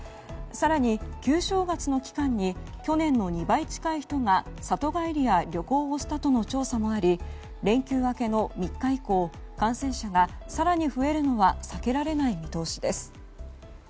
更に、旧正月の期間に去年の２倍近い人が里帰りや旅行をしたとの調査もあり、連休明けの３日以降感染者が更に増えるのは避けられない見通しです。